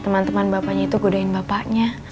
teman teman bapaknya itu kudain bapaknya